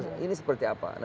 nah ini seperti apa